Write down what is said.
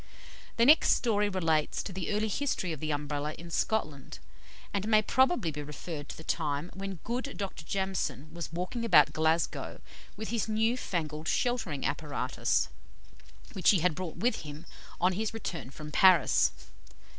The next story relates to the early history of the Umbrella in Scotland, and may probably be referred to the time when good Dr. Jamieson was walking about Glasgow with his new fangled sheltering apparatus, which he had brought with him on his return from Paris.